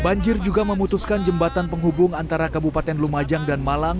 banjir juga memutuskan jembatan penghubung antara kabupaten lumajang dan malang